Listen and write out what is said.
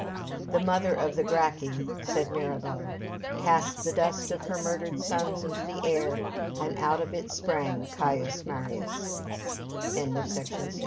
"The mother of the Gracchi," said Mirabeau, "cast the dust of her murdered sons into the air, and out of it sprang Caius Marius." JULIUS CÆSAR By E. SPENCER BEESLY, M.A.